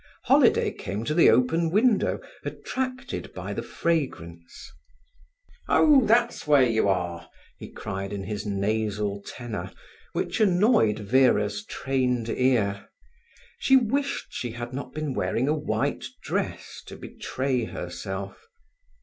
Holiday came to the open window, attracted by the fragrance. "Ho! that's where you are!" he cried in his nasal tenor, which annoyed Vera's trained ear. She wished she had not been wearing a white dress to betray herself.